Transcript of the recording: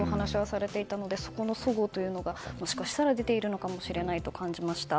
言っているのでそこの齟齬というのがもしかしたら出ているのかもしれないと感じました。